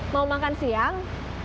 mau makan siang